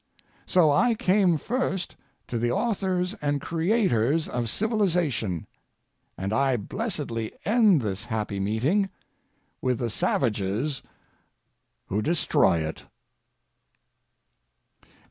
So I came first to the authors and creators of civilization, and I blessedly end this happy meeting with the Savages who destroy it.